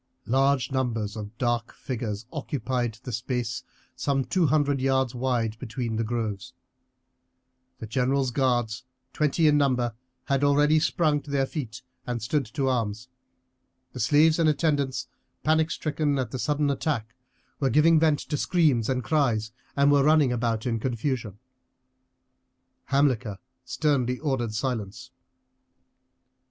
Large numbers of dark figures occupied the space some two hundred yards wide between the groves. The general's guards, twenty in number, had already sprung to their feet and stood to arms; the slaves and attendants, panic stricken at the sudden attack, were giving vent to screams and cries and were running about in confusion. Hamilcar sternly ordered silence.